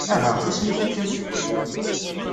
Aha, isem-is akken?